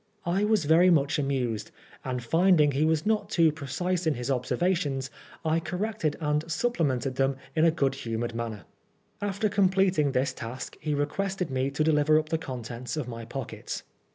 I was very much amused, and finding he was not too precise in his ob servations, I corrected and supplemented them in a good humored manner. After completing this task he requested me to deliver up the contents of my pockets.